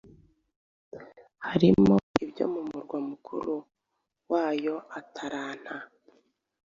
harimo n'ibyo mu murwa mukuru wayo Atlanta –